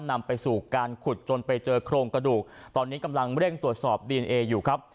นำไปสู่การขุดจนไปเจอโครงกระดูกตอนนี้กำลังเร่งตรวจสอบดีเอนเออยู่ครับ